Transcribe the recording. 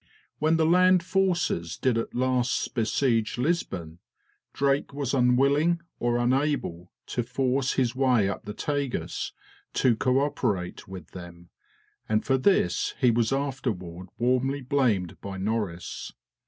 When the land forces did at last besiege Lisbon, Drake was unwilling or unable to force his way up the Tagus to co operate with them, and for this he was afterward warmly blamed by Norris.